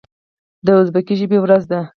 د ازبکي ژبې ورځ ده.